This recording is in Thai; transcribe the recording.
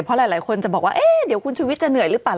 เพราะหลายคนจะบอกว่าเอ๊ะเดี๋ยวคุณชุวิตจะเหนื่อยหรือเปล่า